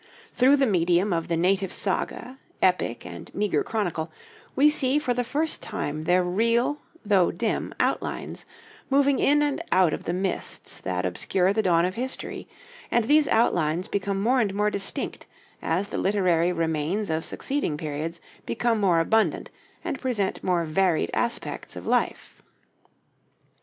Through the medium of the native saga, epic, and meagre chronicle, we see for the first time their real though dim outlines, moving in and out of the mists that obscure the dawn of history; and these outlines become more and more distinct as the literary remains of succeeding periods become more abundant and present more varied aspects of life.